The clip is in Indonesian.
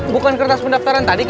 bukan kertas pendaftaran tadi